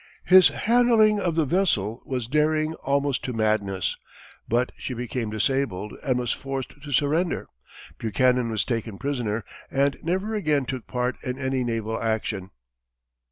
His handling of the vessel was daring almost to madness, but she became disabled and was forced to surrender. Buchanan was taken prisoner, and never again took part in any naval action.